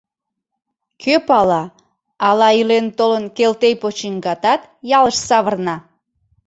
Кӧ пала, ала, илен-толын, Келтей почиҥгатат ялыш савырна?